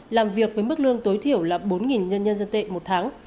làm việc với mức lương tối thiểu là bốn nhân nhân dân tệ một tháng